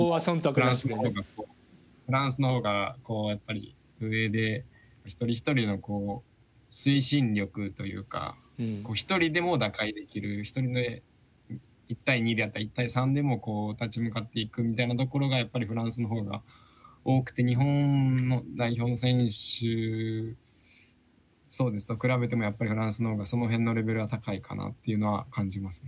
フランスのほうがフランスのほうがやっぱり上で一人一人の推進力というか一人でも打開できるそれで１対２であったり１対３でも立ち向かっていくみたいなところがやっぱりフランスのほうが多くて日本の代表選手と比べてもやっぱりフランスのほうがその辺のレベルは高いかなっていうのは感じますね。